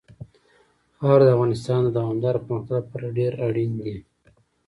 خاوره د افغانستان د دوامداره پرمختګ لپاره ډېر اړین دي.